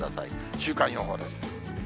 週間予報です。